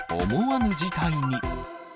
思わぬ事態に。